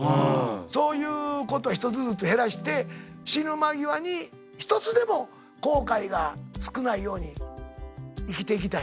そういうこと一つずつ減らして死ぬ間際に一つでも後悔が少ないように生きていきたい。